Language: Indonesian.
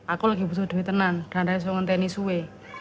aku lagi butuh duit tenang dan ada yang suka nge teni suwe